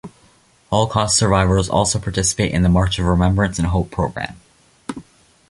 Holocaust survivors also participate in the March of Remembrance and Hope program.